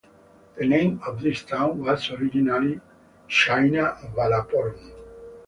The name of this town was originally Chinna Ballaporum.